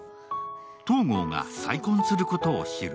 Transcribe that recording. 東郷が再婚することを知る。